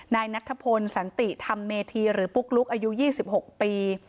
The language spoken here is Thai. นายนัทพลสันติธรรมเมธีหรือปุ๊กลุ๊กอายุ๒๖ปี